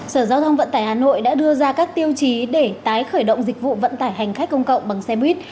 sở giao thông vận tải hà nội đã đưa ra các tiêu chí để tái khởi động dịch vụ vận tải hành khách công cộng bằng xe buýt